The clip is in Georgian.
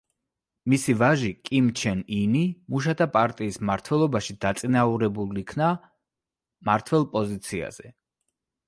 მისი ვაჟი კიმ ჩენ ინი მუშათა პარტიის მმართველობაში დაწინაურებულ იქნა მმართველ პოზიციაზე.